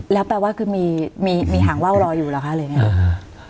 แล้วแปลว่าคือมีมีหางว่าวรอยอยู่หรอคะเลยเนี้ยอ่า